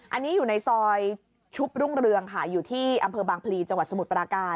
อันนี้อยู่ในซอยชุบรุ่งเรืองค่ะอยู่ที่อำเภอบางพลีจังหวัดสมุทรปราการ